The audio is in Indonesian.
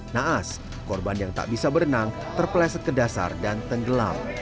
naas korban yang tak bisa berenang terpleset ke dasar dan tenggelam